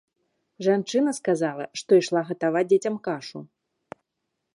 Жанчына сказала, што ішла гатаваць дзецям кашу.